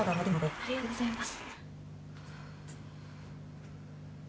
ありがとうございます。